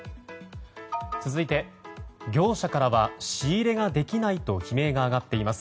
続いて業者からは仕入れができないと悲鳴が上がっています。